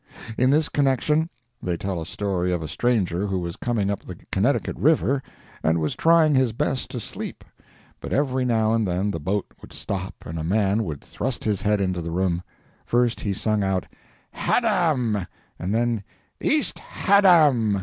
In this connection they tell a story of a stranger who was coming up the Connecticut River, and was trying his best to sleep; but every now and then the boat would stop and a man would thrust his head into the room. First he sung out "Haddam!" and then "East Haddam!"